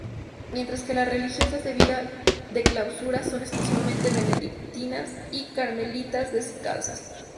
Mientras que las religiosas de vida de clausura son exclusivamente benedictinas y carmelitas descalzas.